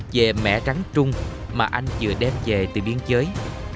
về mẻ trắng trung mà anh vừa đem về từ biên giới